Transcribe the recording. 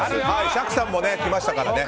釈さんにもきましたからね。